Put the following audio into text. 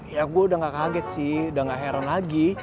ya gue udah gak kaget sih udah gak heran lagi